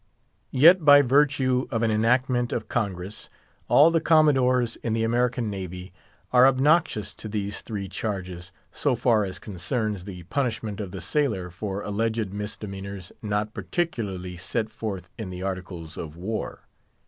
Yet by virtue of an enactment of Congress, all the Commodores in the American navy are obnoxious to these three charges, so far as concerns the punishment of the sailor for alleged misdemeanors not particularly set forth in the Articles of War.